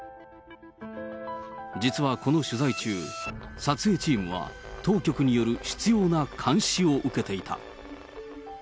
実はこの取材中、撮影チームは当局による執ような監視を受けていた。